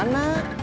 ya dibawa aja